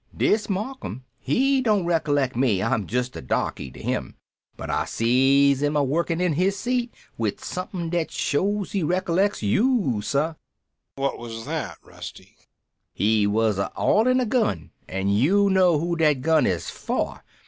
Dis Marcum he don't recollect me, I'm just a darky to him. But I sees 'im a workin' in his seat wid som'pin dat shows he recollects you, sah." "What was that, Rusty?" "He was a oilin' a gun an' you know who dat gun is for.